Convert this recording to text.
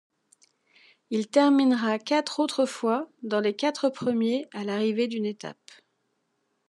Il terminera quatre autres fois dans les quatre premiers à l'arrivée d'une étape.